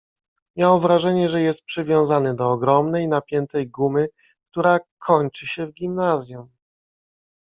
” Miał wrażenie, że jest przywiązany do ogromnej, napiętej gumy, która kończy się w gimnazjum.